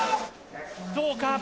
どうか。